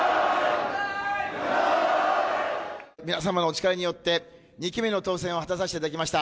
皆様のお力によって２期目の当選を果たさせていただきました。